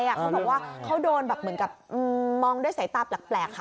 เขาบอกว่าเขาโดนแบบเหมือนกับมองด้วยสายตาแปลกค่ะ